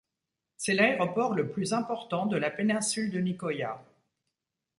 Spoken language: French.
C'est l'aéroport le plus important de la Péninsule de Nicoya.